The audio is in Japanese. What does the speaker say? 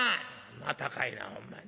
「またかいなほんまに。